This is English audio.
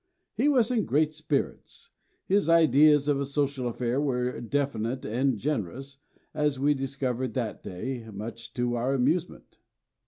He was in great spirits. His ideas of a social affair were definite and generous, as we discovered that day, much to our amusement.